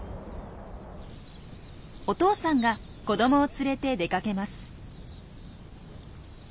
お父さんが子どもを連れて出かけます。